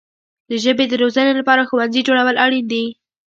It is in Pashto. د ژبې د روزنې لپاره ښوونځي جوړول اړین دي.